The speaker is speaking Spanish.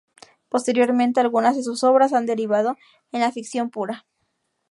Posteriormente algunas de sus obras han derivado en la ficción pura.